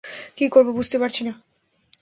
কি করবো বুঝতে পারছি না।